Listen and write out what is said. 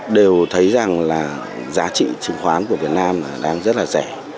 đều thấy rằng giá trị chứng khoán của việt nam đang rất rẻ